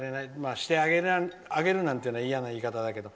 してあげるなんていうのは嫌な言い方だけど。